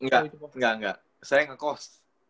enggak itu enggak enggak saya ngekos